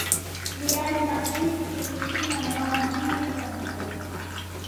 real madrid ilishinda mabao manne kwa moja